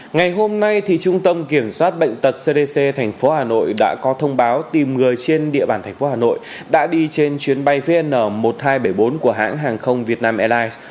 ngày hôm nay thì trung tâm kiểm soát bệnh tật cdc tp hà nội đã có thông báo tìm người trên địa bàn tp hà nội đã đi trên chuyến bay vn một nghìn hai trăm bảy mươi bốn của hãng hàng không việt nam airlines